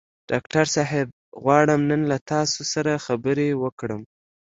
ډاکټر صاحب غواړم نن له تاسو سره خبرې وکړم.